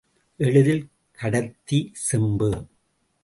எளிதில் கடத்தி செம்பு.